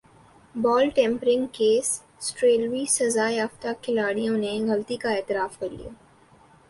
بال tampering case سٹریلوی سزا یافتہ کھلاڑیوں نےغلطی کا اعتراف کر لیا